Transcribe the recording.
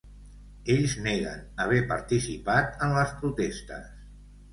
Ells neguen haver participat en les protestes.